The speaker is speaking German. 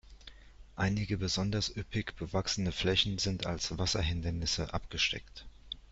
Einige besonders üppig bewachsene Flächen sind als Wasserhindernisse abgesteckt.